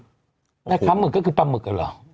แม่ค้าหมึกก็คือปลาหมึกเหรอ